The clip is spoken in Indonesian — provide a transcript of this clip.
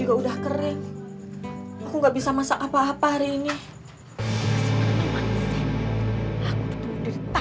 aduh pasti dia mau menanyainya